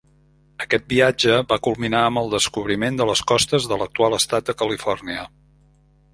Aquest viatge va culminar amb el descobriment de les costes de l'actual estat de Califòrnia.